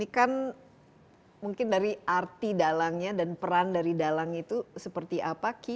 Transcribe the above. kan mungkin dari arti dalangnya dan peran dari dalang itu seperti apa ki